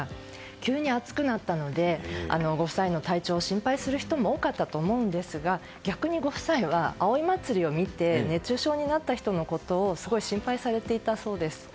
急に暑くなったのでご夫妻の体調を心配する人も多かったと思うんですが逆にご夫妻は、葵祭を見て熱中症になった人のことをすごい心配されていたそうです。